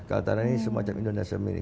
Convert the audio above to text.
kalitara ini semacam indonesia mini